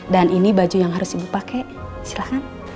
dan ini baju yang harus ibu pakai silahkan